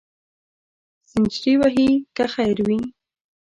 سینچري وهې که خیر وي.